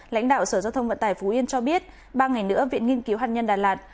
lãnh đạo sở giao thông vận tải phú yên cho biết ba ngày nữa viện nghiên cứu hạt nhân đà lạt